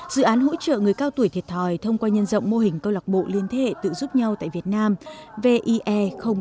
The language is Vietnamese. dự án hỗ trợ người cao tuổi thiệt thòi thông qua nhân rộng mô hình câu lạc bộ liên thế hệ tự giúp nhau tại việt nam vie bốn